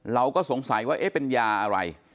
เราก็สงสัยว่าเอ๊ะเป็นยาอะไร